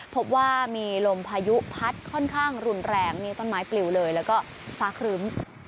พบว่ามีลมพายุพัดค่อนข้างรุนแรงมีต้นไม้ปลิวเลยแล้วก็ฟ้าครึ้ม